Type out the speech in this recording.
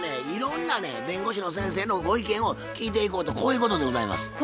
いろんなね弁護士の先生のご意見を聞いていこうとこういうことでございます。